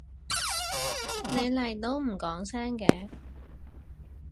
你嚟都唔講聲嘅？